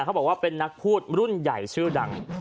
เขาบอกว่าเป็นนักพูดรุ่นใหญ่ชื่อดัง